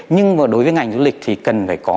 nhưng mà đối với ngành du lịch thì cần phải có